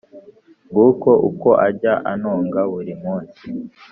Nguko uko ajya antunga buri munsi